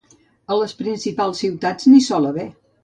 A les principals ciutats n'hi sol haver.